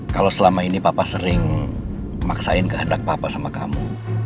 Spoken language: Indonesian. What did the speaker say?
kalau selama ini papa sering memaksain kehendak papa sama kamu